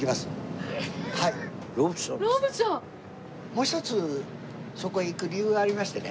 もう一つそこへ行く理由がありましてね